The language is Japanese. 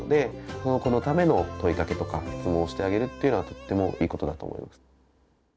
その子のための問いかけとか質問をしてあげるっていうのはとってもいいことだと思います。